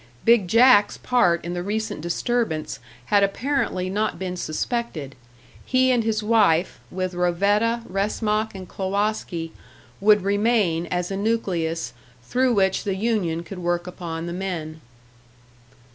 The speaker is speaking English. "Big Jack's" part in the recent disturbance had apparently not been suspected; he and his wife, with Rovetta, Wresmak, and Klowoski, would remain as a nucleus through which the union could work upon the men.